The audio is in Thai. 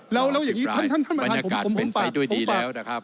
บรรยากาศเป็นไปด้วยดีแล้วนะครับ